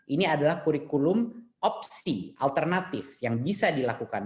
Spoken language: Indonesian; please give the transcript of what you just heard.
ini adalah kurikulum opsi alternatif yang bisa dilakukan